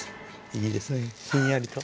いいですねひんやりと。